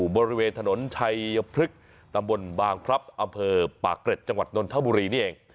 บริเวณถนนชัยพฤกษ์ตำบลบางพลับอำเภอปากเกร็ดจังหวัดนนทบุรีนี่เอง